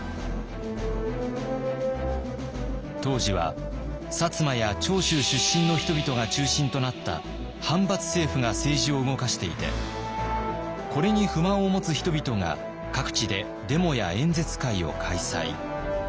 当時は摩や長州出身の人々が中心となった藩閥政府が政治を動かしていてこれに不満を持つ人々が各地でデモや演説会を開催。